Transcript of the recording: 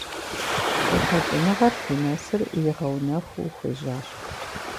И лъэкӀыныгъэр здынэсыр игъэунэхуу хуежьащ.